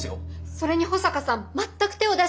それに保坂さん全く手を出していませんよね？